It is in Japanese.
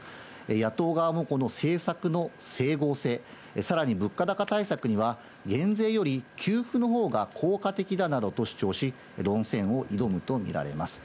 野党側も、この政策の整合性、さらに物価高対策には、減税より給付のほうが効果的だなどと主張し、論戦を挑むと見られます。